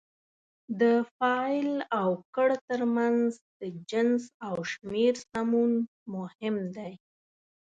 د فاعل او کړ ترمنځ د جنس او شمېر سمون مهم دی.